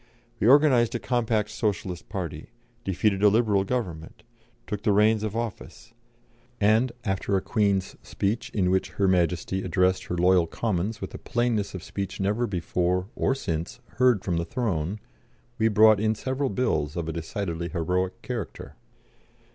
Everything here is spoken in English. We organised a compact Socialist party, defeated a Liberal Government, took the reins of office, and after a Queen's Speech in which her Majesty addressed her loyal Commons with a plainness of speech never before (or since) heard from the throne we brought in several Bills of a decidedly heroic character.